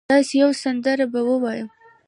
داسي یوه سندره به ووایم